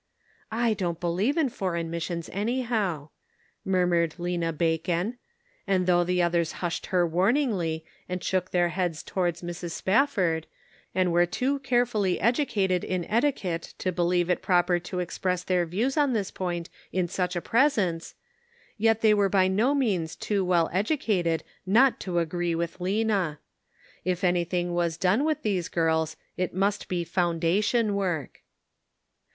"Z don't believe in foreign missions, any how," murmured Lena Bacon ; and though the others hushed her warningly, and shook their heads towards Mrs. Spafford, and were too carefully educated in etiquette to believe it proper to express their views on this point in such a presence, yet they were by no means too well educated not to agree with Lena. If anything was done with these girls it must be foundation work.